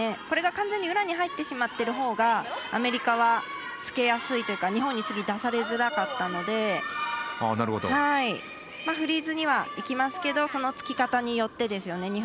これが完全に裏に入ってしまってるほうがアメリカは、つけやすいというか日本に次、出されづらかったのでフリーズにはいきますけどそのつき方によってですよね。